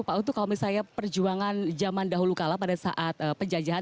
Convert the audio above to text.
pak utuh kalau misalnya perjuangan zaman dahulu kala pada saat penjajahan